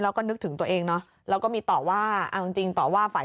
แล้วก็นึกถึงตัวเองเนอะแล้วก็มีต่อว่าเอาจริงต่อว่าฝ่าย